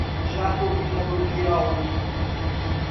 Jacobina do Piauí